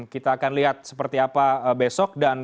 kita akan lihat seperti apa besok dan